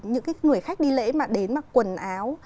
những cái người khách đi lễ mà đến mặc quần áo